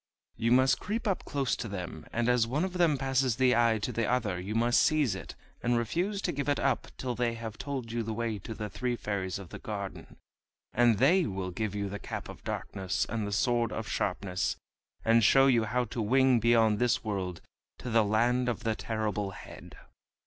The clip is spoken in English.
You must creep up close to them, and as one of them passes the eye to the other you must seize it, and refuse to give it up till they have told you the way to the Three Fairies of the Garden, and they will give you the Cap of Darkness and the Sword of Sharpness, and show you how to wing beyond this world to the land of the Terrible Head."